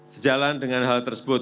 sejalan dengan hal tersebut